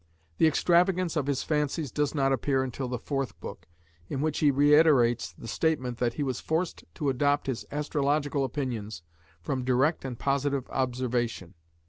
The extravagance of his fancies does not appear until the fourth book, in which he reiterates the statement that he was forced to adopt his astrological opinions from direct and positive observation.